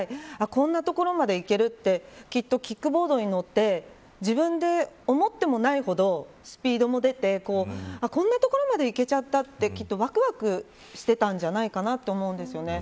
こんな所まで行けるってきっと、キックボードに乗って自分で思ってもないほどスピードも出てこんな所まで行けちゃったってきっと、わくわくしてたんじゃないかなと思うんですよね。